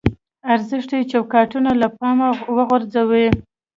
ارزښتي چوکاټونه له پامه وغورځوو.